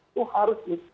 itu harus di